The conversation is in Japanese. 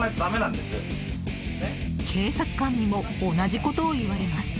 警察官にも同じことを言われます。